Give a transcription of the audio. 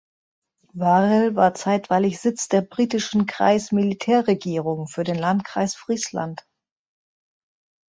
Varel war zeitweilig Sitz der britischen Kreis-Militärregierung für den Landkreis Friesland.